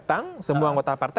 jadi itu yang diadakan